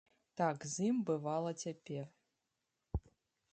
Так з ім бывала цяпер.